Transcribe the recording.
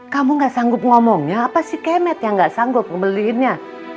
kamu nggak sanggup ngomongnya apa si kemet yang nggak sanggup ngebeliinnya